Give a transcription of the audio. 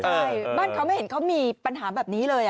แฮะบ้านเค้ายังไม่เห็นมีปัญหาแบบนี้เลย